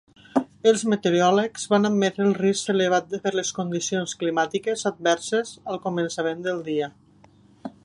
Els meteoròlegs van admetre el risc elevat per les condicions climàtiques adverses al començament del dia.